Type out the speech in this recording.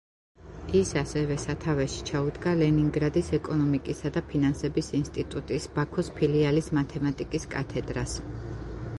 ის ასევე სათავეში ჩაუდგა ლენინგრადის ეკონომიკისა და ფინანსების ინსტიტუტის ბაქოს ფილიალის მათემატიკის კათედრას.